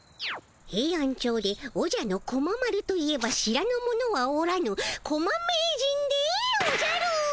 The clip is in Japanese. ヘイアンチョウで「おじゃのコマ丸」といえば知らぬ者はおらぬコマ名人でおじゃる！